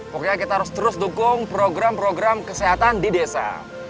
pokoknya kita harus terus dukung program program kesehatan di desa